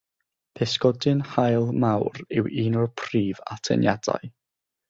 Pysgodyn haul mawr yw un o'r prif atyniadau.